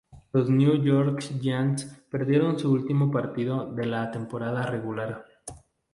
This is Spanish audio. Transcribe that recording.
Los New York Giants perdieron su último partido de la temporada regular.